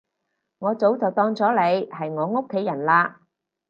我早就當咗你係我屋企人喇